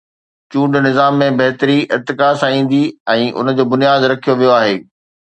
چونڊ نظام ۾ بهتري ارتقا سان ايندي ۽ ان جو بنياد رکيو ويو آهي.